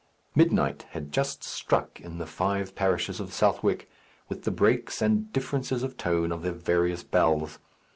Midnight had just struck in the five parishes of Southwark, with the breaks and differences of tone of their various bells.